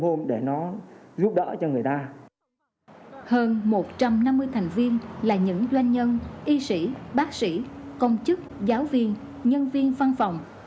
hơn một trăm năm mươi thành viên là những doanh nhân y sĩ bác sĩ công chức giáo viên nhân viên văn phòng